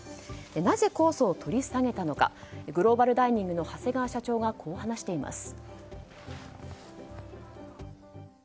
なぜ控訴を取り下げたのかグローバルダイニングの長谷川社長がこう話しています。